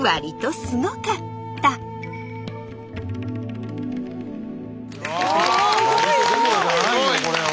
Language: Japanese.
すごいこれは。